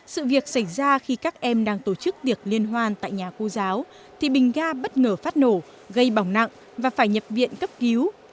sự việc xảy ra khi các em đang tổ chức tiệc liên hoan tại nhà cô giáo thì bình ga bất ngờ phát nổ gây bỏng nặng và phải nhập viện cấp cứu